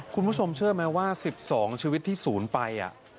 คุณผู้ชมเชื่อไหมว่า๑๒ชีวิตที่ศูนย์ไป